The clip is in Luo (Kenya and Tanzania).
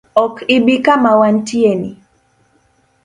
Ok ibi kama wantieni?